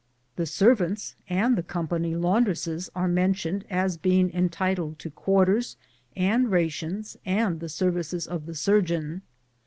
The servants and the company laundresses are mentioned as being entitled to quarters and rations and to the services of the surgeon.